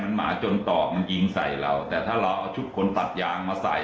ที่ไม่เห็นความหาไปเลยหยุดคนตัดยางมาใส่